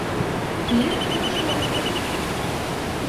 Фильм уңышлы булды